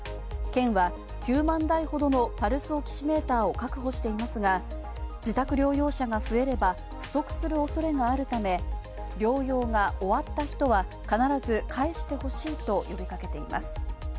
県は９万台ほどのパルスオキシメーターを確保していますが、自宅療養者が増えれば不足するおそれがあるため、療養が終わった人は必ず返えしてほしいと呼びかけています。